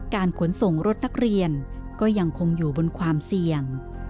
ขนส่งรถนักเรียนก็ยังคงอยู่บนความเสี่ยง